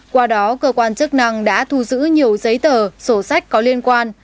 qua đó cơ quan chức năng đã thu giữ nhiều giấy tờ sổ sách có liên quan